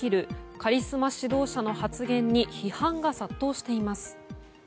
カリスマ指導者の発言に批判が殺到しています。